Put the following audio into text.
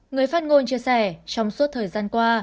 người phát ngôn chia sẻ trong suốt thời gian qua